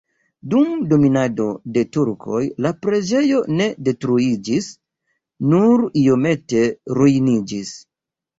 Dum dominado de turkoj la preĝejo ne detruiĝis, nur iomete ruiniĝis.